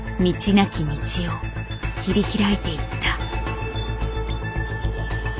なき道を切り開いていった。